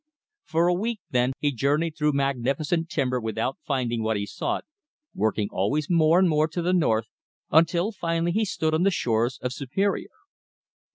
For a week, then, he journeyed through magnificent timber without finding what he sought, working always more and more to the north, until finally he stood on the shores of Superior.